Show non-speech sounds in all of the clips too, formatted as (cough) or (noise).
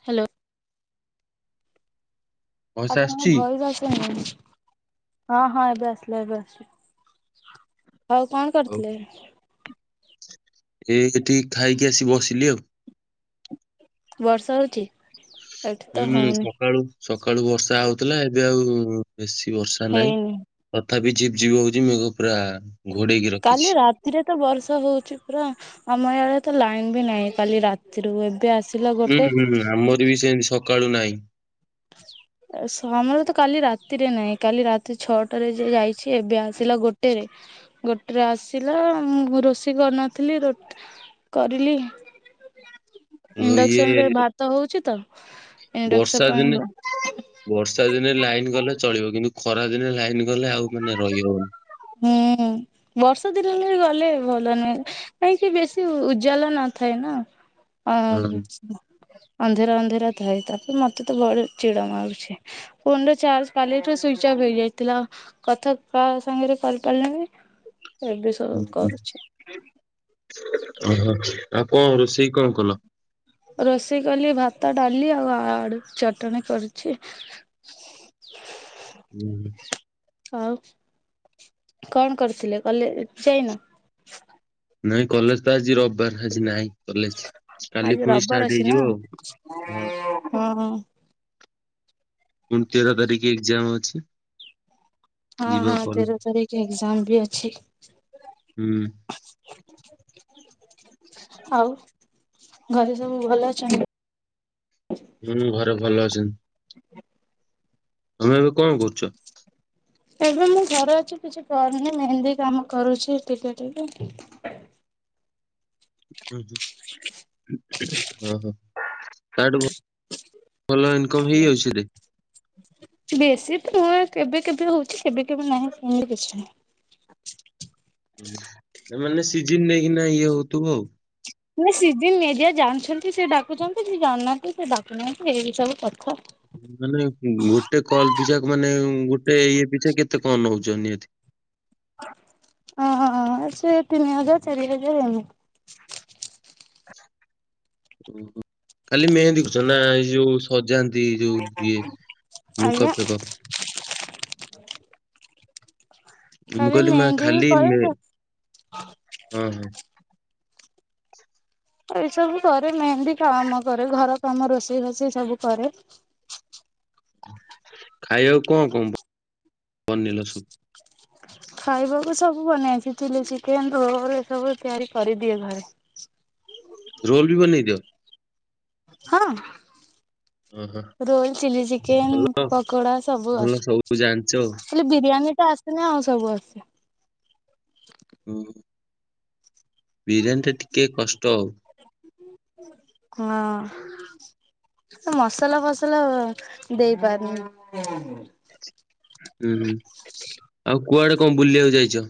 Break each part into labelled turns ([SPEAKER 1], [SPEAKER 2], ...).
[SPEAKER 1] Hello.
[SPEAKER 2] Voice
[SPEAKER 1] ଆପଣଙ୍କ
[SPEAKER 2] ଆସୁଛି?
[SPEAKER 1] Voice ଆସୁନି। ହଁ, ହଁ, ଏବେ ଆସିଲା ଏବେ ଆସୁଚି। ଆଉ କଣ କରୁଥିଲେ?
[SPEAKER 2] ଏଇଠିକ ଖାଇକି ଆସି ବସିଲି ଆଉ।
[SPEAKER 1] ବର୍ଷା ହଉଚି?
[SPEAKER 2] ହୁଁ, ସକାଳୁ ସକାଳୁ ବର୍ଷା ହଉଥିଲା, ଏବେ ଆଉ ବେଶୀ ବର୍ଷା ନାହିଁ।
[SPEAKER 1] ହେଇନି।
[SPEAKER 2] ତଥାପି ଝିପି ଝିପ୍ ହଉଛି, ମେଘ ପୁରା ଘୋଡେଇକି ର
[SPEAKER 1] କାଲି ରାତ୍ ରାତିରେ ତ ବର୍ଷା ହଉଛି ପୁରା, ଆମ ୟାଡେ ତ ଲାଇନ ବି ନାହିଁ, କାଲି ରାତିରୁ ଏବେ ଆସ୍
[SPEAKER 2] ହୁଁ, ହୁଁ, ଆମର ବି ସେଁତି ସକାଳୁ ନାହିଁ।
[SPEAKER 1] ହ ସମର ତ କାଲି ରାତିରେ ନାହିଁ, କାଲି ରାତି ଛଅଟାରେ ଯେ ଯାଇଛି, ଏବେ ଆସିଲା ଗୋଟେରେ। ଗୋଟେରେ ଆସିଲା, ମୁଁ ରୋଷେଇ କରିନଥିଲି, ରୁଟି କରିଲି।
[SPEAKER 2] ର- ଇଏ
[SPEAKER 1] ଇଣ୍ଡକ୍ସନରେ ଭାତ ହଉଚିତ ଇଣ୍ଡକ୍ସ
[SPEAKER 2] ବର୍ଷା ଦିନେ ବର୍ଷା ଦିନେ ଲାଇନ୍ ଗଲେ ଚଳିବ କିନ୍ତୁ ଖରା ଦିନେ ଲାଇନ୍ ଗଲେ ଆଉ ମାନେ ରହିବନି।
[SPEAKER 1] ହୁଁ ବର୍ଷା ଦିନରେ ଗଲେ ଭଲ ନୁହେଁ। କାହିଁକି ବେଶୀ ଉଜଲ ନଥାଏନା
[SPEAKER 2] ହଁ
[SPEAKER 1] ଅଁ ଅନ୍ଧିରା ଅନ୍ଧିରା ଥାଏ ତାପରେ ମତେତ ଭାରି ଚିଡ଼ି ମାରୁଛି। ଫୋନରେ ଚାର୍ଜ କାଲିଠୁ ସୁଇଚ୍ ଅଫ୍ ହେଇଯାଇଥିଲା କଥା କାସାଙ୍ଗରେ କରିପାରିଲଣି ଏବେ ସବୁ
[SPEAKER 2] ହୁଁ,
[SPEAKER 1] କରୁଛି।
[SPEAKER 2] ଓହୋ ଆଉ କଣ ରୋଷେଇ କଣ କଲ?
[SPEAKER 1] ରୋଷେଇ କଲି ଭାତ ଡ଼ାଲି ଆଉ ଆଡ଼ୁ ଚଟଣି କରିଛି। (inaudible)
[SPEAKER 2] ଉଁ ହୁଁ।
[SPEAKER 1] ଆଉ କଣ କରିଥିଲେ କଲେଜ୍ ଯାଇନ?
[SPEAKER 2] ନାଇଁ କଲେଜତ ଆଜି ରବିବାର ଆଜି ନାଇଁ। କଲେଜ୍ କାଲି
[SPEAKER 1] ଆଜି
[SPEAKER 2] ଫୁଣି
[SPEAKER 1] ରବିବାର
[SPEAKER 2] ଷ୍ଟାର୍ଟ
[SPEAKER 1] ଅଛି ନା
[SPEAKER 2] ହେଇଯିବ
[SPEAKER 1] ହଁ
[SPEAKER 2] ଆଉ ହଁ।
[SPEAKER 1] ହଁ।
[SPEAKER 2] ପୁଣି ଣ ତେର ତାରିଖ ଏଗ୍ଜାମ୍ ଅଛି।
[SPEAKER 1] ହଁ
[SPEAKER 2] ଯିବ
[SPEAKER 1] ହଁ
[SPEAKER 2] କଲ
[SPEAKER 1] ତେର ତାରିଖ ଏକ୍ଜାମବି ଅଛି।
[SPEAKER 2] ହୁଁ।
[SPEAKER 1] ଆଉ ଘରେ ସବୁ ଭଲ ଅଛନ୍ତି?
[SPEAKER 2] ହୁଁ ଘରେ ଭଲ ଅଛନ୍ତି। ତମେ ଏବେ କଣ କରୁଚ?
[SPEAKER 1] ଏବେ ମୁଁ ଘରେ ଅଛି କିଛି କରୁନି ମେହେନ୍ଦୀ କାମ କରୁଛି ଟିକେ ଟିକେ
[SPEAKER 2] ଉଁ ହଁ ଓହୋ ତାଠୁ ଭ ଭଲ ଇନକମ୍ ହେଇଯାଉଛି ସେଇଦେ
[SPEAKER 1] ବେଶୀ ଫୁଲ୍ କେବେ କେବେ ହଉଚି କେବେ କେବେ ନାହିଁ ସେମିତି କିଛି ନାହିଁ।
[SPEAKER 2] ହୁଁ ମାନେ ସିଜିନ୍ ନେଇକିନା ଇଏ ହଉଥିବ ଆଉ।
[SPEAKER 1] ନା ସିଜିନ୍ ନିଏ ଯିଏ ଜାଣିଛନ୍ତି ସେ ଡାକୁଛନ୍ତି ସିଏ ଜାଣିନାହାନ୍ତି ସେ ଡାକୁନାହାନ୍ତି ଏଇବି ସବୁ କଥା।
[SPEAKER 2] ମାନେ ଗୋଟେ କଲ୍ ପିଛା ମାନେ ଗୋଟେ ଇଏ ପିଛା କେତେ କଣ ନୋଉଚ ନିହାତି?
[SPEAKER 1] ହଁ ସେ ତିନି ହଜାରେ ଚାରି ହଜାରେ ଏମିତି।
[SPEAKER 2] ଓହୋ ଖାଲି ମେହେନ୍ଦି କରୁଚ ନା ଏଇ ଯୋଉ ସଜା ତି ଯଉ ଇଏ
[SPEAKER 1] ଆଜ୍ଞା।
[SPEAKER 2] ମେକଅପ୍ ଫେକଅପ୍? ମୁଁ
[SPEAKER 1] ଖାଲି
[SPEAKER 2] କହିଲି ମା
[SPEAKER 1] ମେହେନ୍ଦୀ ବି
[SPEAKER 2] ଖାଲି
[SPEAKER 1] କରେ
[SPEAKER 2] ମେ
[SPEAKER 1] ତ
[SPEAKER 2] ଅଁ ହଁ।
[SPEAKER 1] ଏଇ ସବୁ କରେନାହିଁ ମେନ୍ ବି କାମ୍ କରେ ଘର କାମ ରୋଷେଇ ଫୋଷେଇ ସବୁ କରେ।
[SPEAKER 2] ଖାଇବାକୁ କଣ କଣ ବନେଇଲ ସବୁ?
[SPEAKER 1] ଖାଇବାକୁ ସବୁ ବନେଇଆସେ ଚିଲି ଚିକେନ୍ ରୋଲ୍ ଏସବୁ ତିଆରି କରିଦିଏ ଘରେ।
[SPEAKER 2] ରୋଲବି ବନେଇ ଦିଅ।
[SPEAKER 1] ହଁ।
[SPEAKER 2] ଓହୋ
[SPEAKER 1] ରୋଲ୍ ଚିଲି ଚିକେନ୍
[SPEAKER 2] ଭଲ
[SPEAKER 1] କପଡ଼ା ସବୁ
[SPEAKER 2] ଭଲ ସବୁ
[SPEAKER 1] ଆସେ।
[SPEAKER 2] ଜାଣିଛ
[SPEAKER 1] ଖାଲି ବିରିୟାନୀଟା ଆସେନି ଆଉ ସବୁ ଆସେ।
[SPEAKER 2] ହୁଁ। ବିରିୟାନୀଟା ଟିକେ କଷ୍ଟ ଆଉ।
[SPEAKER 1] ହଁ। ମୁଁ ମସଲା ଫସଲା ଦେଇ ପାରୁନି।
[SPEAKER 2] ଉଁ ହୁଁ ଆଉ କୁଆଡ଼େ କଣ ବୁଲିବାକୁ ଯାଇଚ?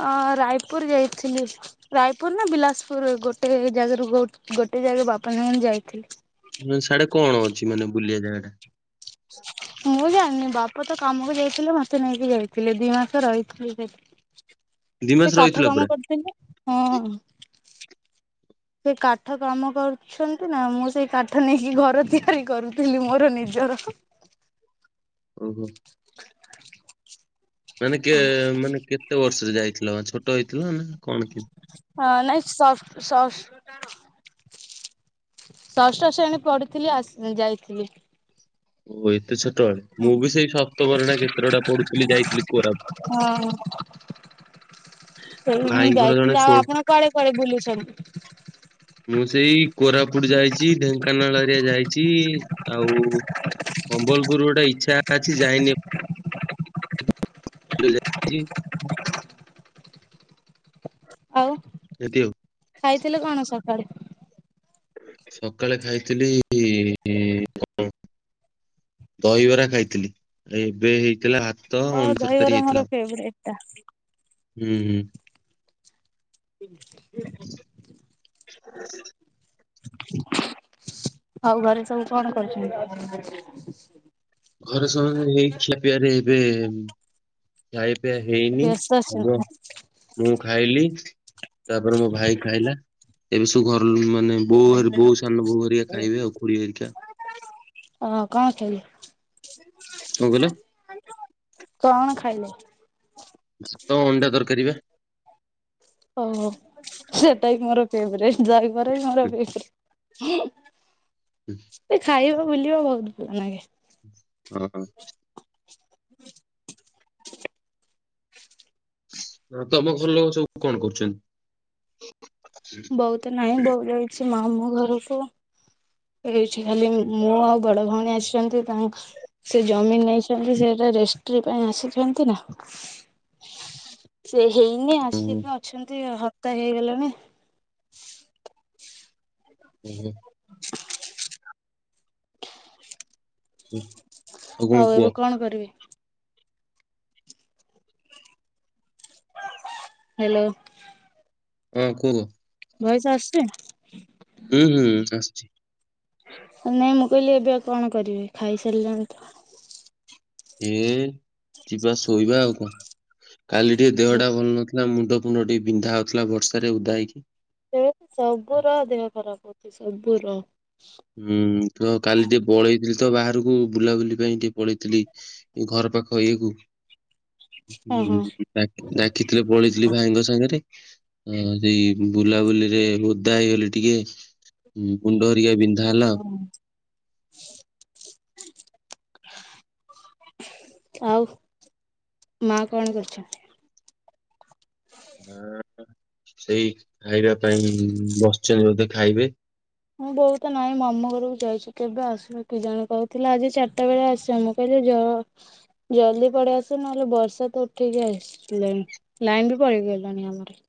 [SPEAKER 1] ଅ ରାୟପୁର ଯାଇଥିଲି। ରାୟପୁର ନା ବିିଲାସପୁର ଗୋଟେ ଜାଗାରୁ ଗୋଟେ ଜାଗାରେ ବାପା ମା ମାନେ ଯାଇଥିଲି।
[SPEAKER 2] ସାଡେ କଣ ଅଛି ମାନେ ବୁଲିବା ଜାଗା ଟା?
[SPEAKER 1] ମୁଁ ଜାଣିନି ବାପା ତ କାମକୁ ଯାଇଥିଲେ ମତେ ନେଇକି ଯାଇଥିଲେ ଦି ମାସ ରହିଥିଲି ସେଠି।
[SPEAKER 2] ଦି ମାସ
[SPEAKER 1] ସେ କାଠ
[SPEAKER 2] ରହିଥିଲ
[SPEAKER 1] କାମ
[SPEAKER 2] ପୁରା
[SPEAKER 1] କରୁଥିଲେ ହଁ। ସେ କାଠ କାମ କରୁଛନ୍ତି ନା ମୁଁ ସେଇ କାଠ ନେଇକି ଘର ତିଆରି କରୁଥିଲି ମୋର ନିଜର।
[SPEAKER 2] ଓହୋ। ମାନେ କେ ମାନେ କେତେ ବର୍ଷରେ ଯାଇଥିଲା ଛୋଟ ହେଇଥିଲା ନା କଣ କି?
[SPEAKER 1] ହଁ ନାଇ ସଫ୍ଟ ସଫ୍ ଷଷ୍ଠ ଶ୍ରେଣୀ ପଢ଼ୁଥିଲି ଆ ଯାଇଥିଲି।
[SPEAKER 2] ଓ ଏତେ ଛୋଟବେଳେ ମୁଁ ବି ସେଇ ସପ୍ତମରେ ନା କେତେ ବଡା ପଢୁଥିଲି ଯାଇଥିଲି କୋରାପ
[SPEAKER 1] ହଁ। ସେଇ ମୁଁ
[SPEAKER 2] ଭାଇଙ୍କର ଜଣେ
[SPEAKER 1] ଯାଇଥିଲି ଆଉ
[SPEAKER 2] ଷୋଳ
[SPEAKER 1] ଆପଣ କୁଆଡେ କୁଆଡେ ବୁଲୁଛନ୍ତି?
[SPEAKER 2] ମୁଁ ସେଇ କୋରାପୁଟ ଯାଇଛି ଢେଙ୍କାନାଳ ହେରିଆ ଯାଇଛି ଆଉ ସମ୍ବଲପୁରରୁ ଗୋଟେ ଇଚ୍ଛା ଅଛି ଯାଇନି ଏପ
[SPEAKER 1] ଆଉ
[SPEAKER 2] ଏମତି ଆଉ
[SPEAKER 1] ଖାଇଥିଲେ କଣ ସକାଳେ?
[SPEAKER 2] ସକାଳେ ଖାଇଥିଲି କଣ? ଦହିବରା ଖାଇଥିଲି ଏବେ ହେଇଥିଲା ହା
[SPEAKER 1] ଓ ଦହିବାର ମୋର ଫେବରେଟଟା।
[SPEAKER 2] ହୁଁ ହୁଁ।
[SPEAKER 1] ଆଉ ଘରେ ସବୁ କଣ କରୁଛନ୍ତି?
[SPEAKER 2] ଘରେ ସମସ୍ତେ ଏଇ ଖିଆ ପିଆରେ ଏବେ ଖାଇ ପିଇବା ହେଇନି
[SPEAKER 1] ବ୍ୟସ୍ତ
[SPEAKER 2] ହବ
[SPEAKER 1] ଅଛନ୍ତି
[SPEAKER 2] ମୁଁ ଖାଇଲି ତାପରେ ମୋ ଭାଇ ଖାଇଲା ଏବେ ସବୁ ଘର ମାନେ ବୋଉ ବୋଉ ସାନ ବୋଉ ହରିକା ଖାଇବେ ଆଉ ଖୁଡି ହେରିକା।
[SPEAKER 1] ହଁ କଣ ଖାଇଲ?
[SPEAKER 2] କଣ କହିଲ
[SPEAKER 1] କଣ ଖାଇଲେ?
[SPEAKER 2] ଭାତ ଅଣ୍ଡା ତରକାରୀ ବା।
[SPEAKER 1] ହଉ ହଉ ସେଟା ବି ମୋର ଫେବେରାଇଟି ଦହିବରା ବି ମୋର
[SPEAKER 2] ହୁଁ
[SPEAKER 1] ଫେବେରାଇଟି।
[SPEAKER 2] ହୁଁ?
[SPEAKER 1] ସେ ଖାଇବା ବୁଲିବା ବହୁତ ଭଲ ଲାଗେ।
[SPEAKER 2] ହଁ। ହ ତମ ଘର ଲୋକ ସବୁ କଣ କରୁଛନ୍ତି?
[SPEAKER 1] ବୋଉ ତ ନାହିଁ ବୋଉ ଯାଇଛି ମାମୁ ଘରକୁ। ଉଛି ଖାଲି ମୋ ଆଉ ବଡ ଭଉଣୀ ଆସିଛନ୍ତି ତାଙ୍କ ସେ ଜମିି ନେଇଛନ୍ତି ସେଟା ରେଷ୍ଟି ପାଇଁ ଆସିଛନ୍ତି ନା। ସେ ହେଇନି
[SPEAKER 2] ଓହୋ
[SPEAKER 1] ଆସିକି ଅଛନ୍ତି ହପ୍ତାଏ ହେଇଗଲାଣି।
[SPEAKER 2] ହୁଁ ହୁଁ। ଆଉ କଣ
[SPEAKER 1] ହଉ
[SPEAKER 2] କୁହ
[SPEAKER 1] ଏବେ କଣ କରିବେ? ହ୍ୟାଲୋ।
[SPEAKER 2] ହଁ କୁହ?
[SPEAKER 1] ଭୟେସ ଆସୁଛି?
[SPEAKER 2] ଉଁ ହୁଁ ଆସୁଛି।
[SPEAKER 1] ନାଇଁ ମୁଁ କହିଲି ଏବେ ଆଉ କଣ କରିବେ ଖାଇସାରିଲେଣି ତ?
[SPEAKER 2] ଏ ଯିବା ଶୋଇବା ଆଉ କଣ କାଲି ଟିକେ ଦେହଟା ଭଲନ ଲା ମୁଣ୍ଡ ଫୁଣ୍ଡ ଟିକେ ବିନ୍ଧା ହଉଥିଲା ବର୍ଷାରେ ଓଦା ହେଇକି।
[SPEAKER 1] ତୋର ସବୁର ଦେହ ଖରାପ ହଉଛି ସବୁର
[SPEAKER 2] ହୁଁ ତ କାଲି ଟିକେ ପଳେଇଥିଲି ତ ବାହାରକୁ ବୁଲାବୁଲି ପାଇଁ ଟିକେ ପଳେଇଥିଲି। ଘର ପାଖ ଇଏକୁ
[SPEAKER 1] ଓହୋ
[SPEAKER 2] ଡାକ ଡାକିଥିଲେ ପଳେଇ ଥିଲି ଭାଇଙ୍କ ସାଙ୍ଗରେ ଅ ସେଇ ବୁଲାବୁଲିରେ ଓଦା ହେଇଗଲି ଟିକେ। ହୁଁ ମୁୁଣ୍ଡ ହରିଆ ବିନ୍ଧା ହେଲା ଆଉ।
[SPEAKER 1] ହଁ (unintelligible) ଆଉ ମା କଣ କରୁଛନ୍ତି?
[SPEAKER 2] ହଁ ସେଇ ଖାଇବା ପାଇଁ ବସିଛନ୍ତି ବୋଧେ ଖାଇବେ।
[SPEAKER 1] ଉଁ ବୋଉ ନାଇଁ ମାମୁଁ ଘରକୁ ଯାଇଛି କେବେ ଆସିବ କି ଜାଣି କହୁଥିଲା ଆଜି ଚାରିଟା ବେଳେ ଆସିମୁ। କହିଲେ ଜ ଜଲ୍ଦି ପଡେଇ ଆସିବୁ ନହେଲେ ବର୍ଷା ତ ଉଠେଇକି ରହିଛି ଆସିଲାଣି। ଲାଇନ ବି ପଳେଇଗଲାଣି ଆମରେ।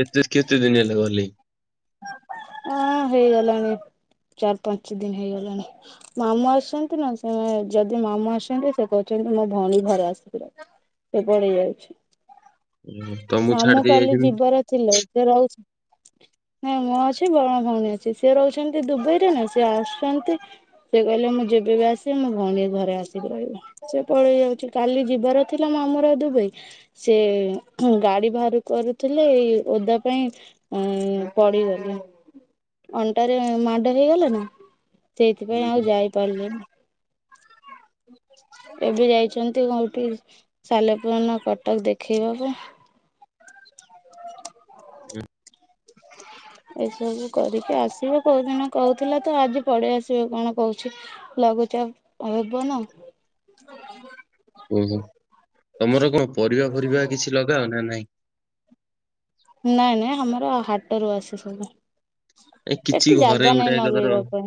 [SPEAKER 2] କେତେ ସ କେତେ ଦିନି ହେଲା ଗଲେଣି?
[SPEAKER 1] ଅଁ ହେଇଗଲାଣି ଚାରି ପାଞ୍ଚ ଦିନି ହେଇଗଲାଣି। ମାମୁଁ ଆସଛନ୍ତି ନା ସେମାନେ ଯଦି ମାମୁଁ ଆସଛନ୍ତି ସେ କହୁଛନ୍ତି ମୋ ଭଉଣୀ ଘରେ ଆସିକିରହୁ। ସେ ପଳେଇ ଯାଉଛି।
[SPEAKER 2] ଓହୋ ତମକୁ ଛାଡି
[SPEAKER 1] ମାମୁଁ
[SPEAKER 2] ଦେଇ
[SPEAKER 1] କାଲି
[SPEAKER 2] ଯାଇଛନ୍ତି।
[SPEAKER 1] ଯିବାର ଥିଲେ ସେ ରହୁଛ ନାଇଁ ମୁଁ ଅଛି ମ ଭଉଣୀ ଅଛି ସିଏ ରହୁଛନ୍ତି ଦୁବାଇ ରେ ନା ସିଏ ଆସୁଛନ୍ତି ସେ କହିଲେ ମୁଁ ଯେବେ ବି ଆସେ ମୋ ଭଉଣୀ ଘରେ ଆସିକି ରହିବ। ସେ ପଳେଇ ଯାଉଛି କାଲି ଯିବାର ଥିଲା ମାମଁର ଦୁବାଇ ସେ ଉଁ ଗାଡି ଭାଆର କରୁଥିଲେ ଏଇ ଓଦା ପାଇଁ ଉଁ ପଡିଗଲେ। ଅଣ୍ଟାରେ ମାଡ ହେଇଗଲା ନା? ସେଇଥିପାଇଁ
[SPEAKER 2] ହୁଁ,
[SPEAKER 1] ଆଉ ଯାଇପାରିଲେନି। ଏବେ ଯାଇଛନ୍ତି କୋଉଠି ସାଲେପୁର ନା କଟକ ଦେଖେଇବା ପାଇଁ।
[SPEAKER 2] ଆଜ୍ଞା।
[SPEAKER 1] ଏସବୁ କରିକି ଆସିବ କୋଉ ଦିନ କହୁଥିଲା ତ ଆଜି ପଳେଇ ଆସିବ କଣ କହୁଛି। ଲଘୁଚାପ ହେବ ନା?
[SPEAKER 2] ଓହୋ ତମର କଣ ପରିବା ଫରିବା କିଛି ଲଗାଅ ନା ନାଇଁ?
[SPEAKER 1] ନାଇଁ ନାଇଁ ଆମର ହାଟରୁ ଆସେ ସବୁ।
[SPEAKER 2] ଏ କିଛି
[SPEAKER 1] ଏଠି
[SPEAKER 2] ଘରେ
[SPEAKER 1] ଜାଗା
[SPEAKER 2] ଗୋଟେ
[SPEAKER 1] ନାଇଁ
[SPEAKER 2] ଏକାଥର
[SPEAKER 1] ନଗେଇବା ପାଇଁ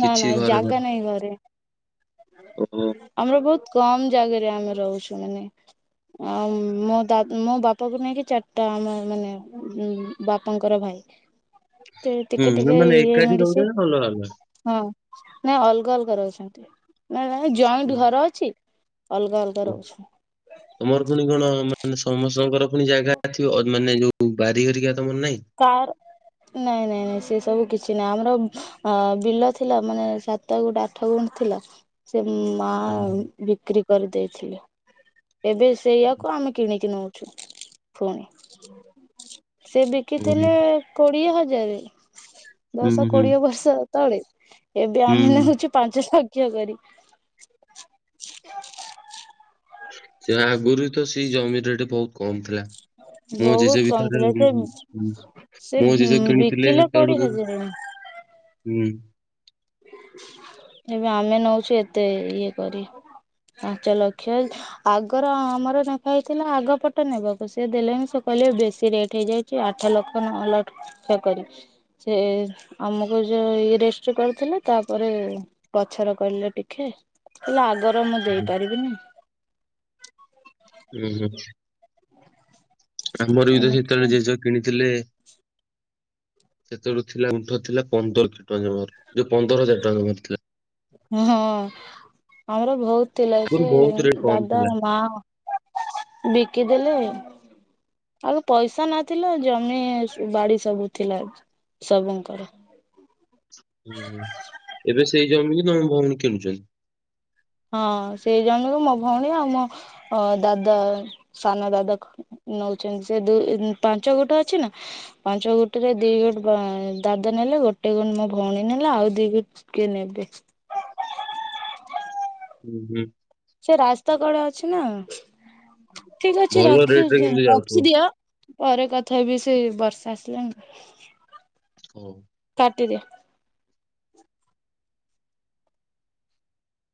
[SPEAKER 1] ନା
[SPEAKER 2] କିଛି
[SPEAKER 1] ନା
[SPEAKER 2] ଘରେ
[SPEAKER 1] ଜାଗା ନାଇଁ ଘରେ।
[SPEAKER 2] ଉଁ ଉଁ।
[SPEAKER 1] ଆମର ବହୁତ କମ ଜାଗାରେ ଆମେ ରହୁଛୁ ମାନେ ଆଉ ମୋ ଦା ମୋ ବାପାକୁ ନେଇକି ଚା ଟା ଆମ ମାନେ ଉଁ ବାପାଙ୍କର ଭାଇ। ତ
[SPEAKER 2] ହୁଁ
[SPEAKER 1] ଟିକେ
[SPEAKER 2] ନା
[SPEAKER 1] ଟିକେ
[SPEAKER 2] ମାନେ
[SPEAKER 1] ଇଏ
[SPEAKER 2] ଏକାଠି ରହୁଛ
[SPEAKER 1] ମେଡିସି
[SPEAKER 2] ନା ଅଲଗା ଅଲଗା?
[SPEAKER 1] ହଁ। ନାଇଁ ଅଲଗା ଅଲଗା ରହୁଛନ୍ତି ନାଇଁ ନାଇଁ
[SPEAKER 2] ହୁଁ,
[SPEAKER 1] ଜଏଣ୍ଟ ଘର ଅଛି ଅଲଗା ଅଲ
[SPEAKER 2] ଓ
[SPEAKER 1] ଘର ଅଛି।
[SPEAKER 2] ତମର ପୁଣି କଣ ମାନେ ସମସ୍ତଙ୍କର ପୁଣି ଜାଗା ଥିବ ଅ ମାନେ ଯୋଉ ବାରି ହରିକା ତମର ନାହିଁ?
[SPEAKER 1] କାର୍ ନାଇଁ -ନାଇଁ -ନାଇଁ ସେ ସବୁ କିଛି ନାଇଁ ଆମର ଅ- ବିଲ ଥିଲା ମାନେ ସ ସାତ ଗୁଣ୍ଠୁ ଆଠ ଗୁଣ୍ଠୁ ଥିଲା ସେ ମା ବିକ୍ରି କରିଦେଇଥିଲେ। ଏବେ ସେଇଆକୁ ଆମେ କିଣିକି ନଉଚୁ ଫୁଣି। ସେ
[SPEAKER 2] ଓହୋ
[SPEAKER 1] ବିକିଥିଲେ କୋଡିଏ ହଜାରେ
[SPEAKER 2] ହୁଁ
[SPEAKER 1] ଦଶ
[SPEAKER 2] ହୁଁ
[SPEAKER 1] କୋଡିଏ ବର୍ଷ ତଳେ ଏବେ ଆମେ
[SPEAKER 2] ହୁଁ
[SPEAKER 1] ନେଇଚୁ ପାଞ୍ଚ ଲକ୍ଷ କରି।
[SPEAKER 2] ସେ ଆଗୁରୁ ତ ସେଇ ଜମି ରେଟ୍ ବହୁତ୍ କମ୍ ଥିଲା। ମୋ
[SPEAKER 1] ବହୁତ
[SPEAKER 2] ଜେଜେ ବି
[SPEAKER 1] କମ
[SPEAKER 2] ତ
[SPEAKER 1] ଥିଲା ସେ
[SPEAKER 2] (unintelligible)
[SPEAKER 1] ସେ
[SPEAKER 2] ମୋ ଜେଜେ କିଣିଥିଲେ
[SPEAKER 1] ବିକିଲେ କୋଡିଏ
[SPEAKER 2] ହେତେବେଳକୁ
[SPEAKER 1] ହଜାରେ
[SPEAKER 2] ହୁଁ।
[SPEAKER 1] ଏବେ ଆମେ ନଉଚୁ ଏତେ ଇଏ କରି ପାଞ୍ଚ ଲକ୍ଷ ଆଗର ଆମର ଲେଖା ହେଇଥିଲା ଆଗ ପଟ ନେବାକୁ ସିଏ ଦେଲେ ହିଁ ସେ କହିଲେ ବେଶୀ ରେଟ୍ ହେଇଯାଇ ଆଠ ଲକ୍ଷ ନ ଲକ୍ଷ (unintelligible) କରି ସେ ଆମକୁ ଯଉ ଇଏ ରେଷ୍ଟ୍ କରି ଥିଲେ ତାପରେ ପଛରେ କହିଲେ ଟିକେ ହେଲେ ଆଗର ମୁଁ
[SPEAKER 2] ହୁଁ
[SPEAKER 1] ଦେଇପାରିବିନି।
[SPEAKER 2] ଉଁ- ହୁଁ। ଆମର ବି ତ
[SPEAKER 1] ଏମିତି
[SPEAKER 2] ସେତେବେଳେ
[SPEAKER 1] ଆଉ
[SPEAKER 2] ଜେଜ କିଣିଥିଲେ ସେତବେଳକୁ ଥିଲା ଗୁଣ୍ଠ ଥିଲା ପନ୍ଦର ଟଙ୍କା ଜମାରୁ ଯଉ ପନ୍ଦର ହଜାର ଟଙ୍କା ଜମାରୁ ଥିଲା।
[SPEAKER 1] ହଁ ଆମର ବହୁତ୍ ଥିଲା
[SPEAKER 2] ଆଗରୁ
[SPEAKER 1] ସେ
[SPEAKER 2] ବହୁତ କମ୍
[SPEAKER 1] ଦାଦା
[SPEAKER 2] ଥିଲା।
[SPEAKER 1] ମା ବିକିଦେଲେ ଆଗ ପଇସା ନଥିଲା ଜମି ବାଡି ସବୁ ଥିଲା ସବୁଙ୍କର।
[SPEAKER 2] ହୁଁ ଏବେ ସେଇ ଜମି କିି ତମ ଭଉଣୀ କିଣୁଚନ୍ତି?
[SPEAKER 1] ହଁ ସେଇ ଜମିକୁ ମୋ ଭଉଣୀ ଆଉ ମୋ ଅ- ଦାଦା ସାନ ଦାଦା ଖ ନଉଚନ୍ତି ସେ ଦୁଇ -ଇଁ-ପାଞ୍ଚ ଗୁଣ୍ଠ ଅଛି ନା। ପାଞ୍ଚ ଗୁଣ୍ଠୁ ରେ ଦି (unintelligible) ଦାଦା ନେଲେ ଗୋଟେ ଗୁଣ୍ଠୁ ମୋ ଭଉଣୀ ନେଲା ଆଉ ଦି (unintelligible)
[SPEAKER 2] ହୁଁ -ହୁଁ।
[SPEAKER 1] ସେ ରାସ୍ତା କଡେ ଅଛି ନା। ଠିକ୍ ଅଛି
[SPEAKER 2] ଭଲ
[SPEAKER 1] ରଖି
[SPEAKER 2] ରେ କିନ୍ତୁ ଯାଉଥିବ।
[SPEAKER 1] -ରଖିଦିଅ। ପରେ କଥା ହେବି ସେ ବର୍ଷା ଆସିଲାଣି।
[SPEAKER 2] ହଉ।
[SPEAKER 1] କାଟିଦିଅ।